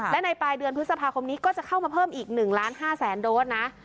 และในปลายเดือนพฤษภาคมนี้ก็จะเข้ามาเพิ่มอีก๑ล้าน๕แสนโดสนะ